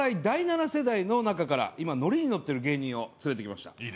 第７世代の中から今乗りに乗ってる芸人を連れてきました。